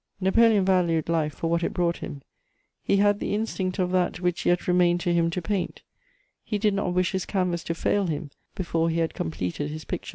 Napoleon valued life for what it brought him; he had the instinct of that which yet remained to him to paint; he did not wish his canvas to fail him before he had completed his pictures.